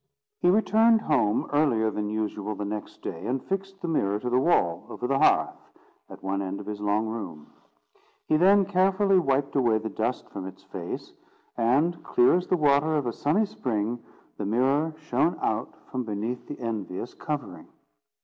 He returned home earlier than usual the next day, and fixed the mirror to the wall, over the hearth, at one end of his long room. He then carefully wiped away the dust from its face, and, clear as the water of a sunny spring, the mirror shone out from beneath the envious covering.